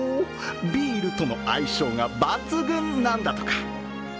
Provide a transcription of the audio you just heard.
ビールとの相性が抜群なんだとか。